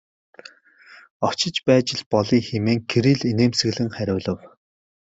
Очиж байж л болъё хэмээн Кирилл инээмсэглэн хариулав.